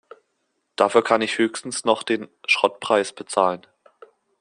Dafür kann ich höchstens noch den Schrottpreis bezahlen.